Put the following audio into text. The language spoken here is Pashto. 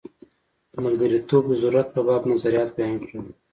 ملګرتوب د ضرورت په باب نظریات بیان کړل.